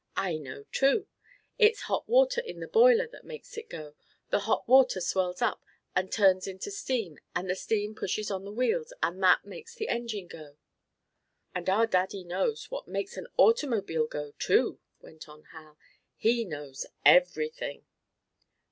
"I know, too. It's hot water in the boiler that makes it go. The hot water swells up, and turns into steam, and the steam pushes on the wheels, and that makes the engine go." "And our Daddy knows what makes an automobile go, too," went on Hal. "He knows everything."